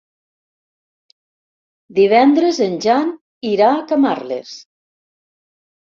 Divendres en Jan irà a Camarles.